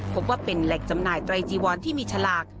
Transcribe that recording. พบว่าเป็นแหล่งจำหน่ายไตรจีวอนที่มีฉลาก